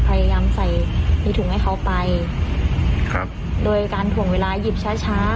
พยายามใส่มีถุงให้เขาไปครับโดยการถ่วงเวลาหยิบช้าช้า